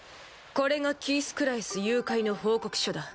これがキース・クラエス誘拐の報告書だ。